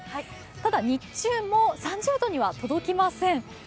ただ、日中も３０度には届きません。